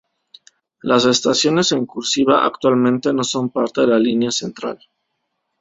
Las estaciones en cursiva actualmente no son parte de la línea Central.